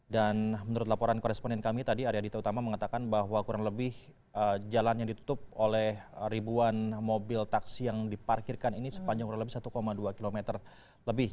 dan menurut laporan koresponen kami tadi area dita utama mengatakan bahwa kurang lebih jalan yang ditutup oleh ribuan mobil taksi yang diparkirkan ini sepanjang kurang lebih satu dua km lebih